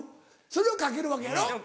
それをかけるわけやろ？